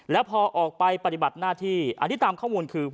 แล้วพอออกไปปฏิบัติหน้าที่อันนี้ตามข้อมูลคือ